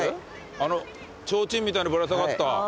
あの提灯みたいのぶら下がった。